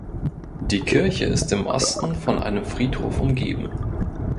Die Kirche ist im Osten von einem Friedhof umgeben.